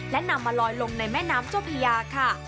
และนำมาลอยลงในแม่น้ำเจ้าพญาค่ะ